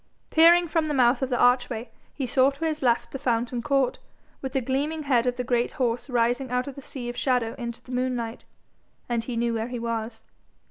Peering from the mouth of the archway, he saw to his left the fountain court, with the gleaming head of the great horse rising out of the sea of shadow into the moonlight, and knew where he was.